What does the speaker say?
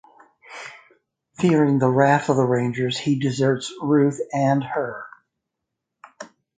Fearing the wrath of the rangers he deserts Ruth and her.